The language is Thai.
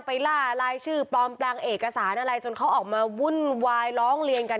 ล่าลายชื่อปลอมแปลงเอกสารอะไรจนเขาออกมาวุ่นวายร้องเรียนกัน